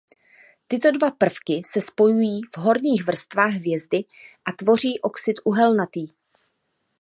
Tyto dva prvky se spojují v horních vrstvách hvězdy a tvoří oxid uhelnatý.